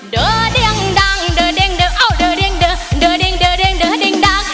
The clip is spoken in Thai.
เดอเด็งดังเดอเด็งเดอเดอเด็งเดอเดอเด็งเดอเด็งเดอเด็งดัง